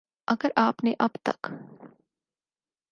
اگر آپ نے اب تک